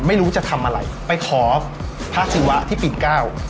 ไม่รู้จะทำอะไรไปขอพระศิวะที่ปีนเก้า